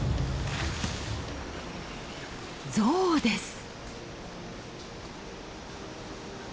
ゾウです。